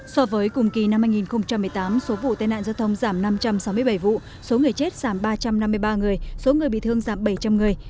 so với cùng kỳ năm hai nghìn một mươi tám số vụ tai nạn giao thông giảm năm trăm sáu mươi bảy vụ số người chết giảm ba trăm năm mươi ba người số người bị thương giảm bảy trăm linh người